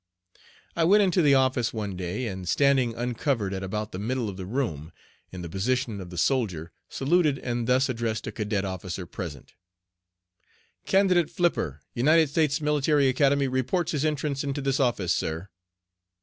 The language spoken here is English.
I went into the office one day, and standing uncovered at about the middle of the room, in the position of the soldier, saluted and thus addressed a cadet officer present: "Candidate Flipper, United States Military Academy, reports his entrance into this office, sir."